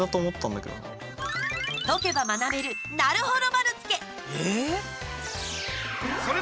解けば学べる、なるほど丸つけ。